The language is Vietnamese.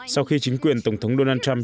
sau khi chính quyền tổng thống donald trump